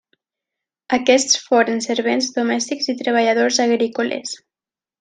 Aquests foren servents domèstics i treballadors agrícoles.